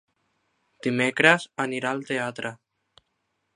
Dimecres anirà al teatre.